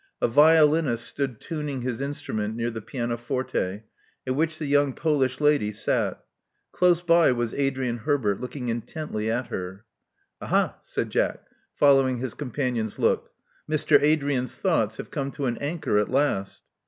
A violinist stood tuning his instrument near the pianoforte, at which the young Polish lady sat. Close by was Adrian Herbert, looking intently at her. Aha!" said Jack, following his companion's look, Mister Adrian's thoughts have come to an anchor at last."